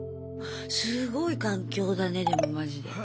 すごい環境だねでもマジで。